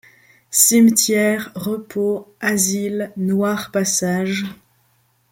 Cimetières, repos, asiles, noirs passages